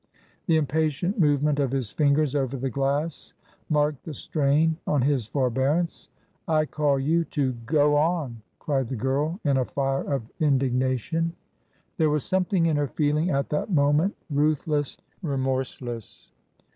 The impatient movement of his fingers over the glass marked the strain on his forbearance. " I call you to go onT cried the girl, in a fire of indig nation. There was something in her feeling at that moment ruthless, remorseless.